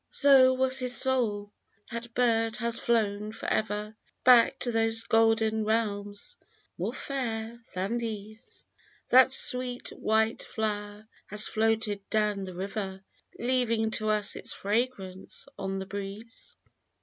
So was his soul ! That bird has flown for ever Back to those golden realms, more fair than these ; That sweet white flow'r has floated down the river, Leaving to us its fragrance on the breeze.